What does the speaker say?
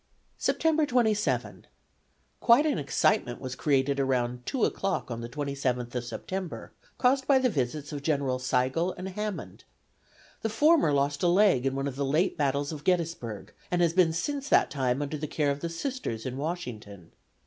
"September 27. Quite an excitement was created about 2 o'clock on the 27th of September, caused by the visit of Generals Sigel and Hammond. The former lost a leg in one of the late battles of Gettysburg and has been since that time under the care of the Sisters in Washington.